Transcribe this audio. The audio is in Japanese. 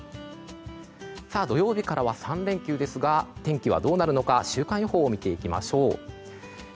土曜日からは３連休ですが天気はどうなるのか週間予報を見ていきましょう。